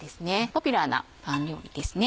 ポピュラーなパン料理ですね。